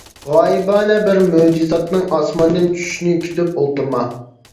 غايىبانە بىر مۆجىزاتنىڭ ئاسماندىن چۈشۈشىنى كۈتۈپ ئولتۇرما.